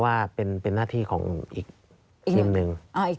ว่าเป็นหน้าที่ของอีกทีมหนึ่ง